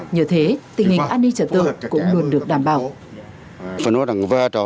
nhờ thế tình hình an ninh trở tượng cũng luôn được đảm bảo